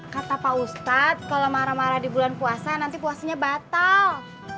kata pak ustadz kalau marah marah di bulan puasa nanti puasanya batal